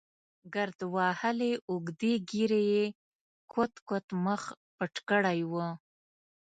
ګرد وهلې اوږدې ږېرې یې کوت کوت مخ پټ کړی و.